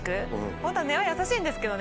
ホントは根は優しいんですけどね。